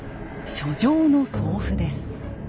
書状の送付です。